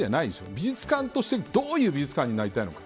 美術館としてどういう美術館になりたいのか。